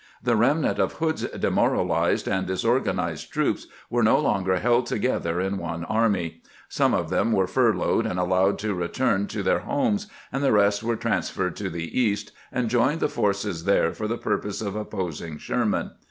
The remnant of Hood's demoralized and disorganized troops were no longer held together in one army. Some of them were furloughed and allowed to return to their homes, and the rest were transferred to the East, and joined the forces there for the purpose of opposing Sher man.